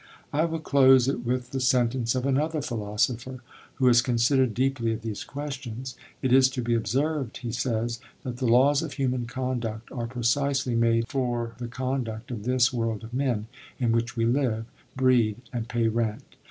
I will close it with the sentence of another philosopher who has considered deeply of these questions. "It is to be observed," he says, "that the laws of human conduct are precisely made for the conduct of this world of Men, in which we live, breed, and pay rent.